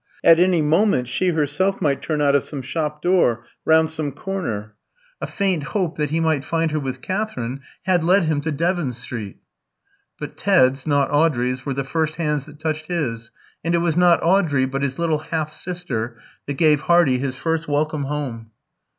At any moment she herself might turn out of some shop door, round some corner. A faint hope that he might find her with Katherine had led him to Devon Street. But Ted's, not Audrey's, were the first hands that touched his; and it was not Audrey, but his "little half sister," that gave Hardy his first welcome home.